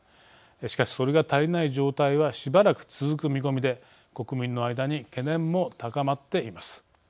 しかし、それが足りない状態はしばらく続く見込みで国民の間に懸念も高まっています。